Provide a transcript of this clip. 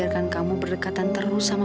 gak usah teh